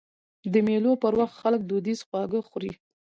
د مېلو پر وخت خلک دودیز خواږه خوري.